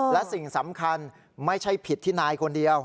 และสิ่งสำคัญไม่ใช่ผิดที่นายคนเดียว